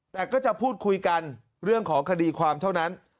แต่ก็จะพูดคุยกันเรื่องของคดีความเท่านั้น